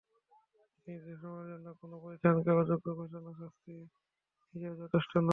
একটি নির্দিষ্ট সময়ের জন্য কোনো প্রতিষ্ঠানকে অযোগ্য ঘোষণা শাস্তি হিসেবে যথেষ্ট নয়।